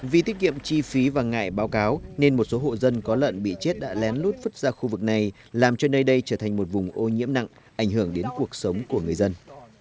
vì tiết kiệm chi phí và ngại báo cáo nên một số hộ dân có lợn bị chết đã lén lút vứt ra khu vực này làm cho nơi đây trở thành một vùng ô nhiễm nặng ảnh hưởng đến cuộc sống của người dân